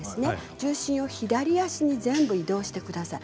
重心を左足に全部移動してください。